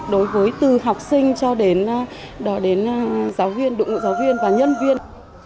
đối với từ học sinh cho đến giáo viên đụng ngụ giáo viên và nhân viên